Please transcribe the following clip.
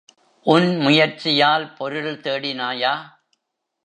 உன் முயற்சியால் பொருள் தேடினாயா?